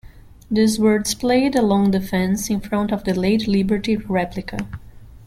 These were displayed along the fence in front of the "Lady Liberty" replica.